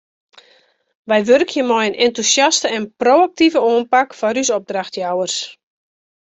Wy wurkje mei in entûsjaste en pro-aktive oanpak foar ús opdrachtjouwers.